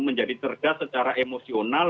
menjadi cerdas secara emosional